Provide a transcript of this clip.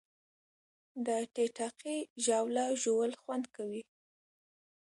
د ټیټاقې جاوله ژوول خوند کوي